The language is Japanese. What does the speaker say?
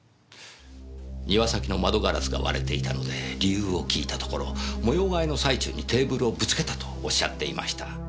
庭先の窓ガラスが割れていたので理由を聞いたところ模様替えの最中にテーブルをぶつけたとおっしゃっていました。